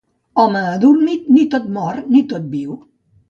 Home adormit, ni tot mort ni tot viu.